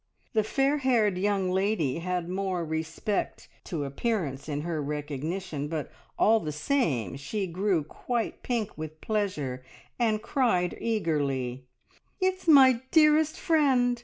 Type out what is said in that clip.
The fair haired young lady had more respect to appearance in her recognition, but all the same she grew quite pink with pleasure, and cried eagerly "It's my dearest friend!